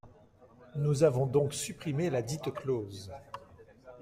Nous avons donc supprimé ladite clause.